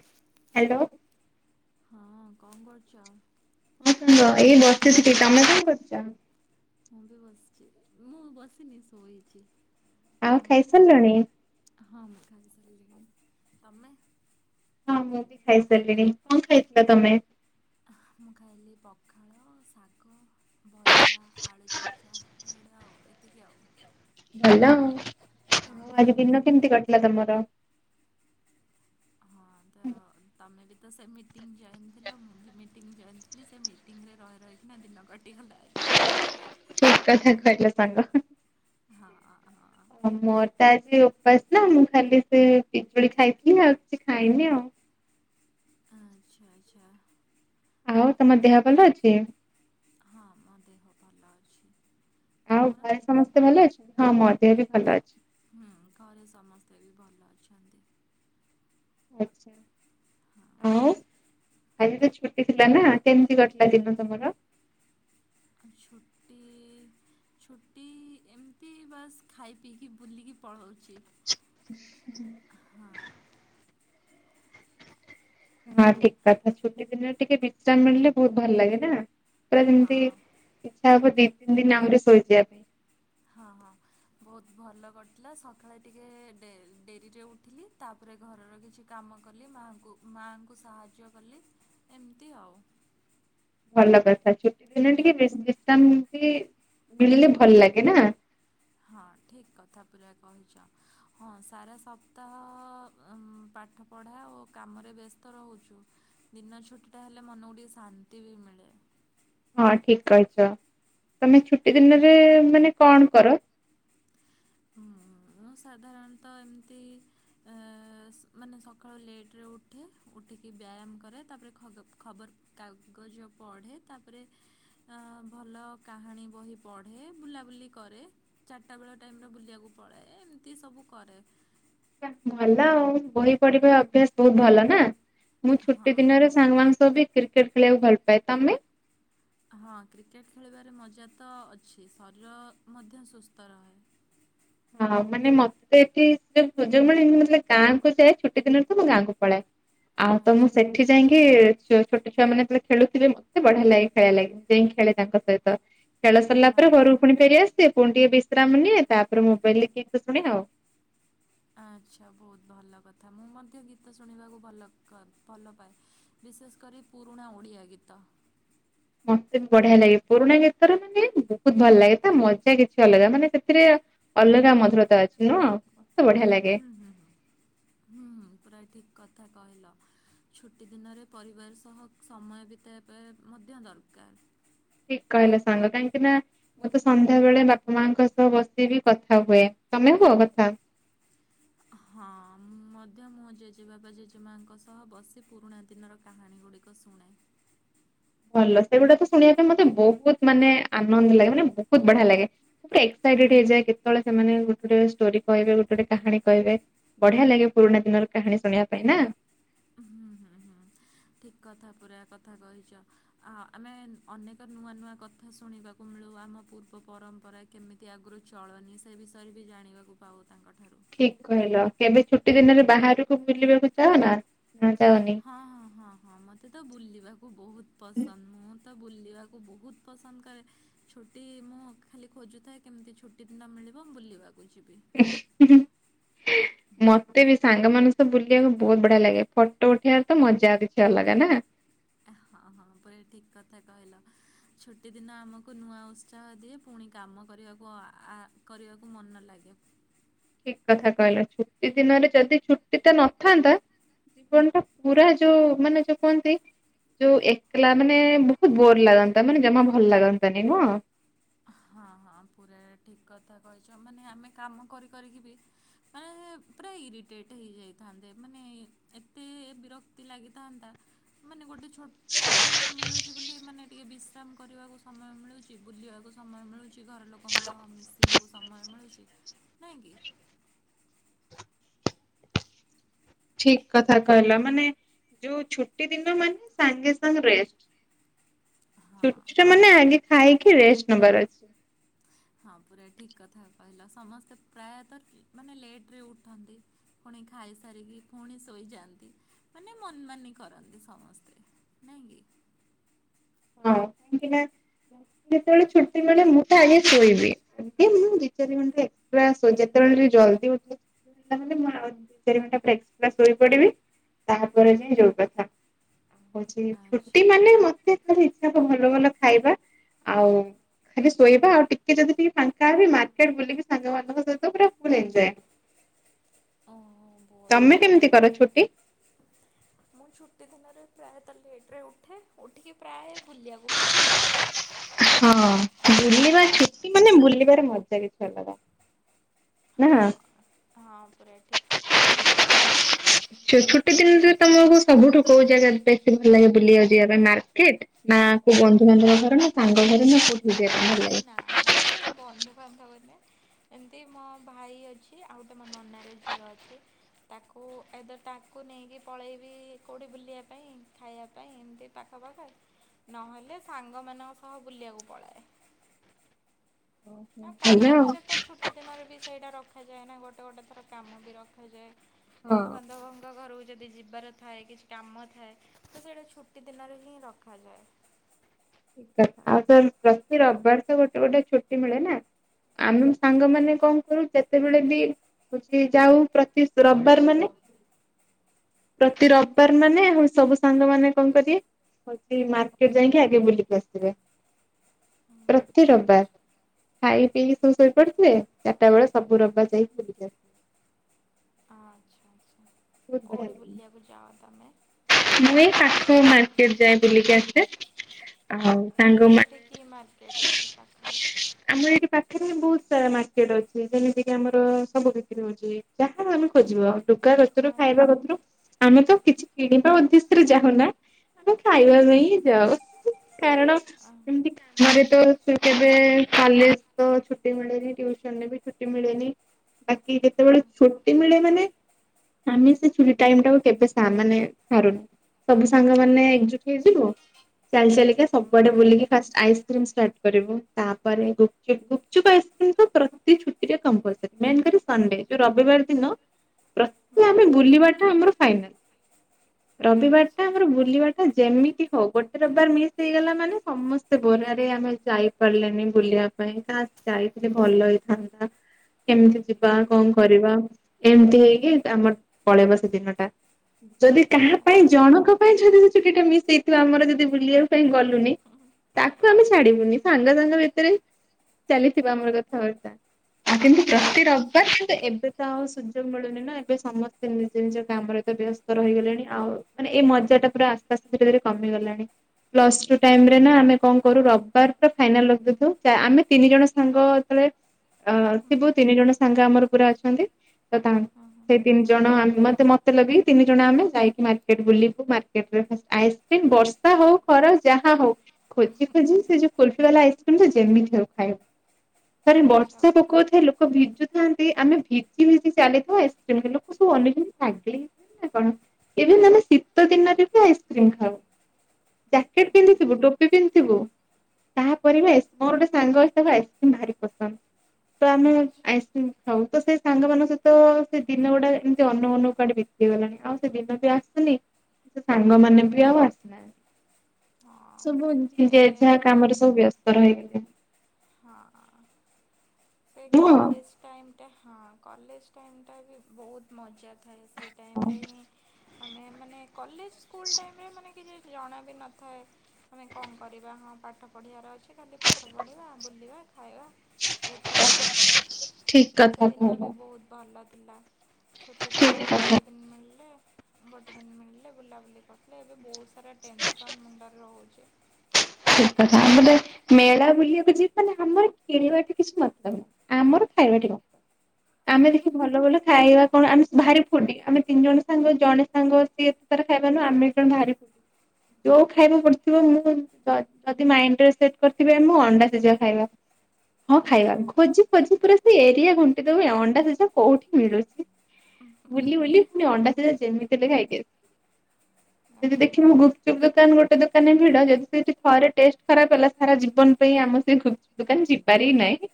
[inaudible] Hello. ହଁ କଣ କରୁଛ। ହଁ ସାଙ୍ଗ ଏଇ ବସିଛି ଟି ତମେ କଣ କରୁଛ। ମୁଁ ବି ବସିଛି ମୁଁ ବସିନି ଶୋଇଛି। ଆଉ ଖାଇସାରିଲଣି। ହଁ ମୁଁ ଖାଇ ସାରିଲିଣି ତମେ? ହଁ ମୁଁ ବି ଖାଇ ସାରିଲିଣି କଣ ଖାଇଥିଲ ତମେ? ମୁଁ ଖାଇଲି ପଖାଳ ଶାଗ ଭଜା ଆଳୁ ଛେଚା ଏଇଗୁଡା ଆ ଏତିକି ଆଉ। ଭଲ ଆଉ ତମେ ଆଜି ଦିନ କେମିତି କଟିଲା ତମର? ହୁଁ। ତମେବି ତ ସେ ମିଟିଙ୍ଗ ଜଏନ୍ ଥିଲ ମୁଁ ବି ମିଟିଂ ଜଏନ୍ ଥିଲି ସେ ମିଟିଂରେ ରହି ରହିକିନା ଦିନ କଟିଗଲା ଆଜି। ଠିକ କଥା ଖଇଲେ ସାଙ୍ଗ। ହଁ ହଁ [inaudible] ମୋରତ ଆଜି ବାସ ନା ମୁଁ ଖାଲି ସେ ପିଜୁଳି ଖାଇଥିଲି। ଆଉ କିଛି ଖାଇନି ଆଉ। ଆଛା ଆଛା। ଆଉ ତମ ଦେହ ଭଲ ଅଛି? ହଁ ମୋ ଦେହ ଭଲ ଅଛି ଆଉ ତମର? ଘରେ ସମସ୍ତେ ଭଲ ଅଛି ହଁ ମୋ ଦେହ ବି ଭଲ ଅଛି। ହୁଁ ଘରେ ସମସ୍ତେ ବି ଭଲ ଅଛନ୍ତି। ଆଛା ଆଉ ଆଜି ତ ଛୁଟି ଥିଲା ନା କେମିତି କଟିଲା ଦିନ ତମର? ଛୁଟି ଛୁଟି ଏମିତି ବାସ୍ ଖାଇ ପିଇକି ବୁଲିକି ପଳାଉଚି। ହଁ ଠିକ କଥା ଛୁଟି ଦିନରେ ଟିକେ ବିଶ୍ରାମ ମିଳିଲେ ବୋହୁତ ଭଲ ଲାଗେ ନା। ପୁରା ହଁ ଯେମିତି ଇଚ୍ଛା ହବ ଦି ତିନି ଦିନ୍ ଆହୁରି ଶୋଇଯିବା ପାଇଁ। ବୋହୁତ ଭଲ କରିଥିଲା ସକାଳେ ଟିକେ ଡେ-ଡେରିରେ ଉଠିଲି ତାପରେ ଘରର କିଛି କାମ କଲି ମାହାଙ୍କୁ ମାଙ୍କୁ ସାହାଯ୍ୟ କଲି ଏମିତି ଆଉ। ଭଲ କଥା ଛୁଟି ଦିନ ଟିକେ ବେସି ବିଶ୍ରାମ କି ମିଳିଲେ ଭଲ ଲାଗେ ନା। ହଁ ଠିକ୍ କଥା ପୂୁରା କହିଚ। ହଁ ସାରା ସପ୍ତାହ ପାଠ ପଢ଼ା ଓ କାମରେ ବ୍ୟସ୍ତ ରୋହୁଚୁ ଦିନ ଛୁଟିଟା ହେଲେ ମନକୁ ଟିକେ ଶାନ୍ତି ବି ମିଳେ। ହଁ ଠିକ କହିଚ। ତମେ ଛୁଟି ଦିନରେ ମାନେ କଣ କର? ମୁଁ ସାଧାରଣତଃ ଏମିତି ମାନେ ସକାଳୁ ଲେଟେ ଉଠେ ଉଠିକି ବ୍ୟାୟାମ କରେ ତାପରେ ଖଗ୍ ଖବରକାଗଜ ପଢ଼େ ତାପରେ ଭଲ କାହାଣୀ ବହି ପଢ଼େ ବୁଲାବୁଲି କରେ ଚାର୍ଟା ବେଳ ଟା ଟାଇମ୍ରେ ବୁଲିବାକୁ ପଡ଼େ ଏମିତି ସବୁ କରେ। ଭଲ ଆଉ ବହି ପଢିବା ଅଭ୍ୟାସ ବୋହୁତ ଭଲ ନା। ମୁଁ ଛୁଟି ହଁ ଦିନରେ ସାଙ୍ଗମାନ ସହ ବି କ୍ରିକେଟ ଖେଳିବାକୁ ଭଲ ପାଏ। ତମେ? ହଁ କ୍ରିକେଟ୍ ଖେଳିବାରେ ମଜା ତ ଅଛି ଶରୀର ମଧ୍ୟ ସୁସ୍ଥ ରହେ। ହଁ ମାନେ ମତେ ତ ଏଠି ସେ ସୁଯୋଗ ମିଳିନି ମୁଁ ଜେତୋବେଳେ ଗାଁକୁ ଯାଏ ଛୁଟି ଦିନରେ ତ ମୁଁ ଗାଁକୁ ପଳାଏ। ଆଉ ତ ମୁଁ ଆଚ୍ଛା ସେଠି ଯାଇଙ୍କି ଚୋ ଛୋଟ ଛୁଆ ମାନେ ଖେଳୁଥିବ ମତେ ବଢିଆ ଲାଗେ ଖେଳ ଲାଗେ ଯାଇ ଖେଳେ ତାଙ୍କ ସହିତ। ଖେଳ ସରିଲା ପରେ ଆଚ୍ଛା। ଘରକୁୁଣି ଫେରି ଆସେ ଫୁଣି ଟିକେ ବିଶ ପ୍ରାମ୍ ନିଏ ତାପ୍ ତାର ମୋବାଇଲରେ ଗୀତ ଶୁଣେ ଆଉ। ଆଚ୍ଛା ବୋହୁତ ଭଲ କଥା ମୁଁ ମଧ୍ୟ ଗୀତ ଶୁଣିବାକୁ ଭଲ କ ଭଲ ପାଏ। ବିଶେଷ କରି ପୁରୁଣା ଓଡିଆ ଗୀତ। ମତେ ବି ବଢିଆ ଲାଗେ ପୁରୁଣା ଗୀତର ମାନେ ବୋହୁତ ଭଲ ଲାଗେ ତା ମଜା କିଛି ଅଲଗା ମାନେ ସେଥିରେ ଅଲଗା ମଧୁରତା ଅଛି ନୁହଁ। ମତେ ବଢିଆ ଲାଗେ ହୁଁ ହୁଁ ହୁଁ ହୁଁ ପୁରା ଠିକ୍। କଥା କହିଲ ଛୁଟି ଦିନରେ ପରିବାର ସହ ସମୟ ବିତାଇବା ପାଏ ମଧ୍ୟ ଦରକାର। ଠିକ୍ କହିଲ ସାଙ୍ଗ କାହିଁକି ନା ମୁଁ ତ ସନ୍ଧ୍ୟା ବେଳେ ବାପା ମାଙ୍କ ସହ ବସିକି କଥା ହୁଏ। ତମେ ହୁଅ କଥା? ହଁ ମଧ୍ୟ ମୋଜେଜେବାବା ଜେଜେମାଙ୍କ ସହ ବସି ପୁରୁଣା ଦିନର କାହାଣୀ ଗୁଡିକ ଶୁଣେ। ଭଲ ସେଗୁଡାକ ଶୁଣିବା ପାଇଁ ମତେ ବୋହୁତ ମାନେ ଆନନ୍ଦ ଲାଗେ ମାନେ ବୋହୁତ ବଢିଆ ଲାଗେ। ମୁଁ ପୁରା ଏକ୍ସାଇଟେଡ ହେଇଯାଏ କେତେବେଳେ ସେମାନେ ଗୋଟେ ଗୋଟେ ଷ୍ଟୋରି କହିବେ ଗୋଟେ ଗୋଟେ କାହାଣୀ କହିବେ ବଢିଆ ଲାଗେ ପୁରୁଣା ଦିନର କାହାଣୀ ଶୁଣିବା ପାଇଁ ନା। ହୁଁ ହୁଁ ହୁଁ ଠିକ୍ କଥା ପୁରା କଥା କହିଚ। ଆ ଆମେ ଅନେକ ନୂଆ ନୂଆ କଥା ଶୁଣିବାକୁ ମିଳୁ ଆମ ପୂର୍ବ ପରମ୍ପରା କେମିତି ଆଗରୁ ଚଳନି ସେ ବିଷୟରେ ବି ଜାଣିବାକୁ ପାଉ ତାଙ୍କଠାରୁ। ଠିକ୍ କହିଲ କେବେ ଛୁଟି ଦିନରେ ବାହାରକୁ ବୁଲିବାକୁ ଯାଅ ନା ନା ଯାଅନି? ହଁ ହଁ ହଁ ହଁ ମୋତେ ତ ବୁଲିବାକୁ ବୋହୁତ ପସନ୍ଦ ମୁଁ ତ ବୁଲିବାକୁ ବୋହୁତ ପସନ୍ଦ କରେ। ଛୁଟି ମୁଁ ଖାଲି ଖୋଜୁଥାଏ କେମିତି ଛୁଟି ଦିନ ମିଳିବ। ମୁଁ ବୁଲିବା [unintelligible] ମତେ ବି ସାଙ୍ଗ ମାନ ତ ବୁଲିବାକୁ ବୋହୁତ ବଢିଆ ଲାଗେ। ଫଟ ଉଠେଇବାରେ ତ ମଜା କିଛି ଅଲଗା ନାଁ। ହଁ ହଁ ପୁରା ଠିକ୍ କଥା କହିଲ। ଛୁଟି ଦିନ ଆମକୁ ନୂଆ ଉତ୍ସାହ ଦିଏ। ପୁଣି କାମ କରିବାକୁ ଆ କରିବାକୁ ମନ ଲାଗେ। ଠିକ୍ କଥା କହିଲ। ଛୁଟି ଦିନରେ ଯଦି ଛୁଟି ଟେ ନଥାନ୍ତା! ଜୀବନ ଟା ପୁରା ଯୋଉ ମାନେ ଯୋଉ କହନ୍ତି, ଯୋଉ ଏକଲା ମାନେ ବହୁତ ବୋର ଲାଗନ୍ତା! ମାନେ ଜମା ଭଲ ଲାଗନ୍ତାନି ନୁହଁ। ହଁ, ହଁ ପୁରା ଠିକ୍ କଥା କହିଛ ମାନେ ଆମେ କାମ କରି କରିକି ବି ମାନେ ପୁରା ଇରିଟେଟ୍ ହେଇଯାଇଥାନ୍ତେ। ମାନେ ଏତେ ବିରକ୍ତି ଲାଗିଥାନ୍ତା ମାନେ ଗୋଟେ ଛୁଟି ଦିନ ମିଳୁଛି ବୋଲି ମାନେ ଟିକେ ବିଶ୍ରାମ କରିବାକୁ ସମୟ ମିଳୁଚି। ବୁଲିବାକୁ ସମୟ ମିଳୁଛି ଘର ଲୋକଙ୍କ ସହ ମିଶିବାକୁ ସମୟ ମିଳୁଛି ନାହିଁକି? ଠିକ୍ କଥା କହିଲ ମାନେ, ଯୋଉ ଛୁଟି ଦିନ ମାନେ ସାଙ୍ଗେ ସାଙ୍ଗେ ରେଷ୍ଟ। ହଁ ଛୁଟିଟା ମାନେ ଆଗେ ଖାଇ କି ରେଷ୍ଟ ନବାର ଅଛି। ହଁ ପୁରା ଠିକ୍ କଥା କହିଲ। ସମସ୍ତେ, ପ୍ରାୟତଃ ମାନେ ଲେଟ ରେ ଉଠନ୍ତି। ପୁଣି ଖାଇସାରିକି ପୁଣି ଶୋଇଯାଆନ୍ତି। ମାନେ ମନ୍ ମାନି କରନ୍ତି ସମସ୍ତେ ନାଇଁ କି ହଁ କାହିଁକି ନା ଯେତେବେଳେ ଛୁଟି ମିଳେ। ମୁଁ ତ ଆଗେ ଶୋଇବି। ଏମିତି ମୁଁ ଦି ଚାରି ଘଣ୍ଟା ଏକ୍ସଟ୍ରା ଶୋଇ ଯେତେବେଳେ ଜି ଜଲଦି ଉଠେ। ତାହେଲେ ମୁଁ ଦି ଚାରି ଘଣ୍ଟା ଏକ୍ସ୍ରା ଶୋଇପଡିବି! ତାପରେ ଯାଇଁ ଯୋଉ କଥା? ହଉଛି ଫୁଟି ଆଚ୍ଛା। ମାନେ ମତେ ଭଲ ଭଲ ଖାଇବା, ଆଉ ଖାଲି ଶୋଇବା, ଆଉ ଟିକେ ଯଦି ଟିକ ଫାଙ୍କା ହେବି, ମାର୍କେଟ ବୁଲିବି ସାଙ୍ଗମାନଙ୍କ ସହିତ ଫୁଲ୍ ଏନ୍ଜଏ। ହଁ ବହୁତ ତମେ ଭଲ କେମିତି କର କଥା। ଛୁଟି? ପ୍ରାୟତ ଲେଟରେ ଉଠେ ଉଠିକି ପ୍ରାୟ ବୁଲିବାକୁ ପଳାଏ। ହଁ ବୁଲିବା ଛୁଟି ମାନେ ବୁଲିବାର ମଜା କିଛି ଅଲଗା। ନା। ହଁ ହଁ। ଠିକ କଥା କହଛ। ତୁମକୁ ସବୁଠୁ କୋଉ ଜାଗା ବେଶୀ ଭଲ ଲାଗେ ବୁଲିିବାକୁ ଯିବା ପାଇଁ ମାର୍କେଟ, ନା କୋଉ ବନ୍ଧୁ, ବାନ୍ଧବ ଘର, ନା ସାଙ୍ଗ ଘର ନା କୋଉଠି? ନା ନା ମାତେ ବନ୍ଧୁ ବାନ୍ଧବ ନେ। ଏମିତି ମୋ ଭାଇ ଅଛି। ଆଉ ଗୋଟେ ମୋ ନନାର ଝିଅ ଅଛି। ତାକୁ ଆଇଦର୍ ତାକୁ ନେଇକି ପଳେଇବି କଉଠି ବୁଲିବା ପାଇଁ ଖାଇବା ପାଇଁ ଏମିତି ତାଙ୍କ ପାଖ ନହେଲେ ସାଙ୍ଗମାନଙ୍କ ସହ ବୁଲିବାକୁ ପଳାଏ। ଓହୋ ଆ କାମ ଭଲ ଆଉ। ଥିଲେ ତ ଛୁଟି ଦିନରେ ବି ସେଇଟା ରଖ ରଖାଯାଏ ନା ଗୋଟେ ଗୋଟେ ଥର କାମ ବି ରଖାଯାଏ। ବନ୍ଧୁ ହଁ ବାନ୍ଧବଙ୍ଗ ଘରୁ ଯଦି ଯିବାର ଥାଏ କିଛି କାମ ଥାଏ ତ ସେଇଟା ଛୁଟି ଦିନରେ ହିଁ ରଖାଯାଏ। ଠିକ ଆଉ ସ ପ୍ରତି ରବିବାର ତ ଗୋଟେ ଗୋଟେ ଛୁଟି ମିଳେ ନା ଆମେ ସାଙ୍ଗ ମାନେ କଣ କରୁ ଯେତେବେଳେ ବି ହଉଛି ଯାଉ ପ୍ରତି ରବିବାର ମାନେ ପ୍ରତି ରବିବାର ମାନେ ସବୁ ସାଙ୍ଗ ମାନ କଣ କରିବେ ହଉଛି ମାର୍କେଟ ଯାଇକି ଆଗେ ବୁଲ ଆସିବେ। ହୁଁ ପ୍ରତି ଆଚ୍ଛା। ରବିବାର। ଖାଇ ପିଇକି ଶ ଶୋଇ ପଡିଥିବେ। ଚାରିଟା ବେଳେ ସବୁ ରବିବାର ଯାଇକି ବୁଲିକି ଆସିବେ। ବହୁତ ବଢିଆ କୋଉଠି ଲାଗେ। ବୁଲିଆକୁ ଯାଏ ତମେ? ମୁଁ ଏଇ ପାଖ ମାର୍କେଟ ଯାଏ ବୁଲିକି ଆସେ। ଆଉ ତମର ସାଙ୍ଗମାନେ ସେଠି କି ମାର୍କେଟ ଅଛି ପାଖରେ? ଆମର ଏଇଠି ପାଖରେ ବହୁତ ସାରା ମାର୍କେଟ ଅଛି। ଯେମିତି କିି ଆମର ସବୁ ବିକ୍ରି ହଉଛି ଯାହା ତମେ ଖୋଜିବ। ଲୁଗା କତୁରୁ ଖାଇବା ଆଚ୍ଛା କତୁରୁ। ଆମେ ତ କିଛି କିଣି [unintelligible] ଆମେ ଖାଇବା ପାଇଁ ଯାଉ। କାରଣ, ଆ ଏମିତି ହଁ କାମରେ ତ କେବେ କଲେଜ ତ ଛୁଟି ମିଳେନି ବି ଛୁଟି ମିଳେନି ବାକି ହଁ ଯେତେବେଳେ ଛୁଟି ମିଳେ ମାନେ ଆମେ ଛୁଟି ଟାଇମ ଟାକୁ କେବେ ମାନେ ହାରୁନି ସବୁ ସାଙ୍ଗମାନେ ଏକଜୁଟ ହେଇଯିବୁ ଚାଲି ଚାଲିକା ହୁଁ ସବୁଆଡେ ବୁଲିକି ଫାଷ୍ଟ ଆଇସ୍କ୍ରିମ ଷ୍ଟାର୍ଟ କରିବୁ ତାପରେ ଗୁପଚୁପ ଗୁପଚୁପ ଆଇସ୍କ୍ରି ତ ପ୍ରତି ଛୁଟିରେ କମ୍ପଲସରି ମେନ୍ କଥା ସଣ୍ଡେ ଯୋଉ ରବିବାର ଦିନ ହୁଁ ହୁଁ ପ୍ରତି ଆମେ ହୁଁ ବୁଲିବାଟା ଆମର ଫାଇନାଲ। ରବିବାର ଟା ଆଚ୍ଛା ଆମର ବୁଲିବା ଟା ଯେମିତି ହଉ ଗୋଟେ ରବିବାର ମିସ୍ ହେଇଗଲା ମାନେ ସମସ୍ତେ ବୋରାରେ ଆମେ ଯାଇପାରିଲେନି ବୁଲିବା ପାଇଁ ଖାସ୍ ଯାଇି ଭଲ ହେଇଥାନ୍ତା କେମିତି ଯିବା ହୁଁ ହୁଁ କଣ କରିବା ଏମିତି ହେଇକି ଆମର ପଳେଇବ ସେ ଦିନ ଟା ଯଦି କାହା ପାଇଁ ଆଚ୍ଛା ଜଣଙ୍କ ପାଇଁ ଯଦି ସେ ଛୁଟି ଟା ମିସ୍ [unintelligible] ଆମର ଯଦି ବୁଲିବା ପାଇଁ ଗଲୁନି ତାକୁ ଆମେ ଛାଡିବୁନି ସାଙ୍ଗ ସାଙ୍ଗ ଭିତରେ ଚାଲିଥିବା ଆମର କଥାବାର୍ତ୍ତା ଆଉ କିନ୍ତୁ ପ୍ରତି ରବିବାର କିନ୍ତୁ ଏବେ ତ ଆଉ ସୁଯୋଗ ମିଳୁନି ନା ଏବେ ସମସ୍ତେ ନିଜ ନିଜ କାମରେ ତ ବ୍ୟସ୍ତ ରହିଗଲେଣି। ଆଉ ମାନେ ଏଇ ମଜା ଟା ପୁରା ଆସ୍ତେ ଆସ୍ତେ ଧୀରେ ଧୀରେ କମି ଗଲାଣି ପ୍ଲସ ଟାଇରେ ନା ଆମେ କଣ କରୁ ରବିବାର ଫାଇନାଲ [unintelligible] ଆମେ ତିନି ଜଣ ସାଙ୍ଗ ଅ ହୁଁ ହୁଁ ଥିବୁ ହୁଁ ତିନି ଜଣ ସାଙ୍ଗ ଆମର ପୁରା ଅଛନ୍ତି। [unintelligible] ସେଇ ତିନି ଜଣ [unintelligible] ମତେ ଲାଗିଲା ତିନି ଜଣ ଆମ ଯାଇ ମାର୍କେଟ ବୁଲିବୁ ମାର୍କେଟରେ ଆଇସ୍କ୍ରିମ ବର୍ଷା ହଉ ଖରା ଯାହା ହଉ। ଖୋଜି ଖୋଜି ସେ ଯୋଉ କୁଲଫି ବାଲା ଆଇସ୍କ୍ରିମ ତ ଯେମିତି ହେଲେ ଖାଇବୁ। ଥରେ ଆଚ୍ଛା ବର୍ଷା ପକଉଥାଏ ଲୋକ ଭି ଥାନ୍ତି ଆମେ ଭିଜି ଭିଜି ଚାଲିଯାଉ ଆଇସକ୍ରିମ ଲୋକ ସବୁ ଅନେଇଥାନ୍ତି ପାଗିଳି ହେଇଗଲେଣିନା କଣ? ଏବେ ଆମେ ଶୀତ ଦିନରେ ବି ଆଇସ୍କ୍ରିମ ଖାଉ ଜ୍ୟାକେଟ ହୁଁ ପିନ୍ଧିଥିବୁ ହୁଁ ଟୋପି ପିନ୍ଧିଥିବୁ ତାପରେ ବି ଏସ ମୋର ଗୋଟେ ସାଙ୍ଗ ହେ ଆଇସକ୍ରିମ ଭାରି ପସନ୍ଦ। ତ ଆମେ ଆଚ୍ଛା ହଁ ଆଇସ୍କ୍ରିମ ଖାଉ ତ ସେଇ ସାଙ୍ଗମାନାନଙ୍କ ସହିତ ସେ ଦିନ ଗୁଡା ଏମିତି ଅନ ଅନୁ କୁଆଡେ ବିତି ଗଲାଣି ଆଉ ସେ ଦିନ ବି ଆସିନି ସେ ସାଙ୍ଗ ମାନେ ବି ଆଉ ଆସିନାହାନ୍ତି। ସବୁ ଯେ ଯାହା ଏବେ କାମରେ ସବୁ ବ୍ୟସ୍ତ ରହିଗଲେ। ହଁ। ସେ ନୁହଁ କଲେଜ ଟାଇମ୍ ହଁ କଲେଜ ଟାଇମ୍ ଟା ବି ବହୁତ ମଜା ଥାଏ ସେଇ ଟାଇମରେ ହି ଆମେ ମାନେ କଲେଜ ସ୍କୁଲ ଟାଇମ ରେ ମାନେ ଜଣ ଆବିନଥ ଏ ଆମେ କଣ କରିବା ହ ପାଠ ପଡିବା ରେ ଅ ଛି ଜଦି ପାଠ ପଡିବା। ବୁଲିବା ଖାଇବା ଏଥିରେ ରହୁଥିଲେ ଠିକ କଥା ସେଦିନ ବି କହିଲ ବହୁତ ଭଲ। ନ୍ଦ। ଛୋଟେ ଦିନ ଠିକ କଥା ଗୋଟେ ଦିନ ମିଳିଲେ ଗୋଟେ ଦିନ ମିଳିଲେ ବୁଲାବୁଲି କରିେ ଏବେ ବହୁତ ସାରା ଟେନସନ୍ ମୁଣ୍ଡରେ ରହୁଛି। ଠିକ କଥା ଆମର ମେଳା ବୁଲିବାକୁ ଯିବଲେ ଆମର ଖେଳିବା ଟେ କିଛି ମତଲବ ନାହିଁ ଆମର ଖାଇବା ଟେ ମତ ଆମେ ଦେଖି ଭଲ ଭଲ ଖାଇବା କଣ ଆମ ଭାରି ଫୁଡି ଆମେ ତିନି ଜଣ ସାଙ୍ଗ ଜଣେ ସାଙ୍ଗ ସିଏ ଏତେ ତାର ଖାଇବା ନୁଁ ଆମେ ଜଣେ ଭାରି ଫୁଡି ଯୋଉ ଖାଇବାକୁ ପଡିୁଥିବ ମୁଁ ଯଦି ମାଇଣ୍ଡରେ ସେଟ୍ କରିଥିବେ ମୁ ଅଣ୍ଡା ସେଜ ଖାଇବା। ହଁ ଖାଇବା ଆଚ୍ଛା ଖୋଜି ଖୋଜି ପୁରା ସେ ଏରିଆ ଘୁଣ୍ଟି ଦୋବୁ ଏ ଅଣ୍ଡା ସିଜା କୋଉଠି ମିଳୁଚି। ବୁଲି ବୁଲି ଫୁଣି ଅଣ୍ଡା ସିଜା ଯେମିତି ହେଲେ ଖାଇକି ଆସି। ଯଦି ଦେଖିବୁ ହଁ ଗୁପଚୁପ୍ ଦୋକାନ ଗୋଟେ ଦୋକାନରେ ଭିଡ ଯଦି ସେଠି ଥରେ ଟେଷ୍ଟ ଖରାପ ହେଲା ସାରା ଜୀବନ ପାଇଁ ଆମ ସେ ଗୁପଚୁପ ଦୋକାନ ଯିବାରି ନାହିଁ।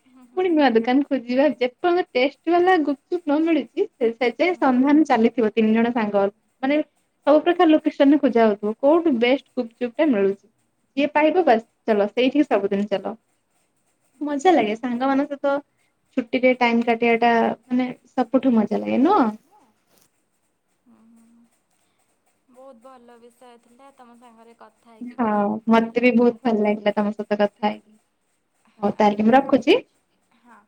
ଆଚ୍ଛା ଫୁଣି ନୂଆ ଦୋକାନ ଖୋଜିବା ଯେ ପର୍ଯ୍ୟନ୍ତ ଟେଷ୍ଟ ବାଲା ଗୁପଚୁପ୍ ନ ମିଳୁଚି ସେତେ ହୁଁ ହୁଁ ସନ୍ଧାନ ଚାଲିଥିବ ତିନି ଜଣ ସାଙ୍ଗ ମାନେ ସବୁ ପ୍ରକାର ଲୋକେସନରେ ଖୋଜା ହୋଉଥିବ କୋଉଠୁ ବେଷ୍ଟ ଗୁପଚୁପ୍ ଟା ମିଳୁଚି। ଯିଏ ପାଇବ ବାସ୍ ଚାଲ ସେଇଠିକି ସବୁଦିନ ଚାଲ। ମଜା ଲାଗେ ସାଙ୍ଗା ମାନଙ୍କ ସ ଛୁଟିରେ ଟାଇମ କାଟିବା ଟା ମାନେ ସବୁଠୁ ମଜା ଲାଗେ ନୁହଁ? ହୁଁ। ବହୁତ ଭଲ ବିଷୟ ଥିଲେ ତମ ସାଙ୍ଗରେ କଥା ହେଇକି ହଁ ବି ବହୁତ ଭଲ ମତେ ବି ବହୁତ ଲାଗିଲା। ଭଲ ଲାଗିଲା ତମ ସହିତ କଥା ବାଏ। ହଉ ତାହେଲେ ମୁଁ ଆଚ୍ଛା ରଖୁଚି? ଠିକ୍ ଅଛି ହଁ।